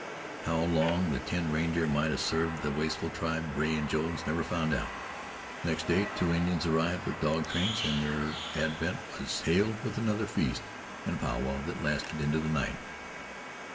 How long the ten reindeer might have served the wasteful tribe, Rea and Jones never found out. The next day two Indians arrived with dog trains, and their advent was hailed with another feast, and a pow wow that lasted into the night.